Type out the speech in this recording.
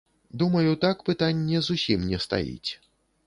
Думаю, так пытанне зусім не стаіць.